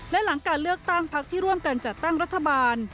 และหลังการเลือกตั้งพักที่ร่วมกันจัดตั้งรัฐบาล